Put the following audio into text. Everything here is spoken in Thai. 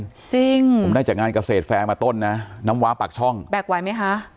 จริงผมได้จากงานเกษตรแฟร์มาต้นนะน้ำว้าปากช่องแบกไหวไหมคะ